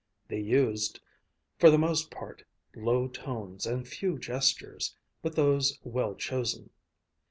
They used, for the most part, low tones and few gestures, but those well chosen.